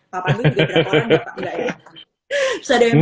pak pabu juga drakoran